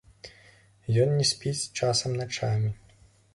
Ён не спіць часам начамі.